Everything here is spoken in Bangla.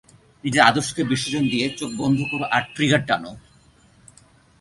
নিজের আদর্শকে বিসর্জন দিয়ে, চোখ বন্ধ করো আর ট্রিগার টানো!